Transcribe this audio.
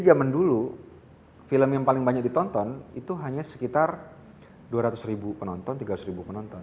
zaman dulu film yang paling banyak ditonton itu hanya sekitar dua ratus ribu penonton tiga ratus ribu penonton